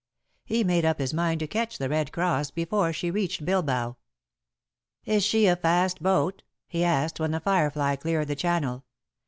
He made up his mind to catch The Red Cross before she reached Bilbao. "Is she a fast boat?" he asked when The Firefly cleared the Channel.